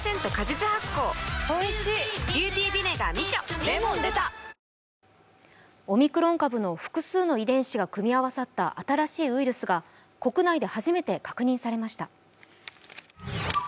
これに対しオミクロン株の複数の遺伝子が組み合わさった新しいウイルスが国内で初めて確認されました。